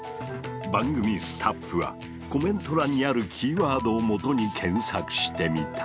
番組スタッフはコメント欄にあるキーワードをもとに検索してみた。